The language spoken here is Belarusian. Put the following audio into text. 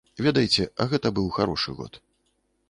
Ведаеце, а гэта быў харошы год.